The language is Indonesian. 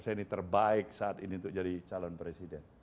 saya ini terbaik saat ini untuk jadi calon presiden